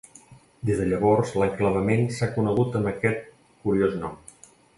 Des de llavors, l'enclavament s'ha conegut amb aquest curiós nom.